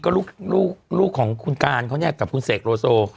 ก็ลูกของคุณการ์ดแรกกับคุณเศกโลโซ